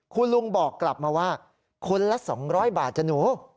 คุณลุงบอกกลับมาว่าคนละ๒๐๐บาทจ้ะหนู